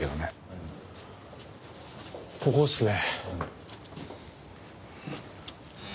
ここっすね。